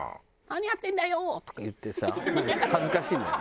「何やってんだよ！」とか言ってさ恥ずかしいんだよ。